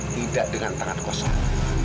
tidak dengan tangan kosong